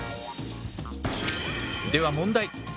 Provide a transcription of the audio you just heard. では問題。